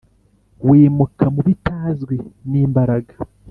wimuka mubitazwi n'imbaraga,